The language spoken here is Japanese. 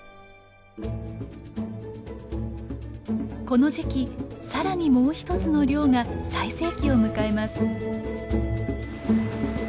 この時期さらにもう一つの漁が最盛期を迎えます。